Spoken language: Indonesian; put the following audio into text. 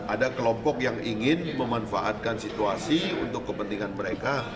ada kelompok yang ingin memanfaatkan situasi untuk kepentingan mereka